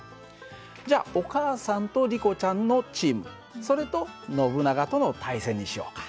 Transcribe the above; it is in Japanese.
じゃあお母さんとリコちゃんのチームそれとノブナガとの対戦にしようか。